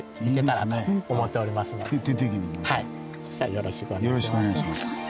よろしくお願いします。